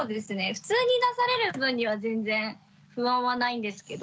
普通に出される分には全然不安はないんですけど。